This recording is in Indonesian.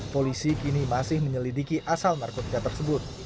polisi kini masih menyelidiki asal narkotika tersebut